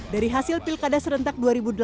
dari hasil pilkada serentak dua ribu delapan belas